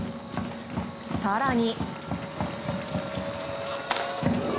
更に。